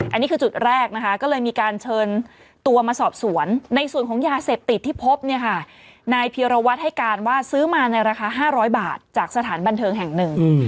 อันนี้คือจุดแรกนะคะก็เลยมีการเชิญตัวมาสอบสวนในส่วนของยาเสพติดที่พบเนี่ยค่ะนายเพียรวัตรให้การว่าซื้อมาในราคา๕๐๐บาทจากสถานบันเทิงแห่งหนึ่ง